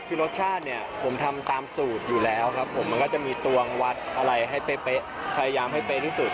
คือรสชาติเนี่ยผมทำตามสูตรอยู่แล้วครับผมมันก็จะมีตวงวัดอะไรให้เป๊ะพยายามให้เป๊ะที่สุด